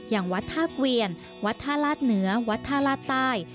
อย่างวัดท่าเกวียนวัดท่าลาดเหนือวัดท่าลาดใต้